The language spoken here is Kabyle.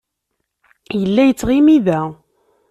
Yella yettɣimi da.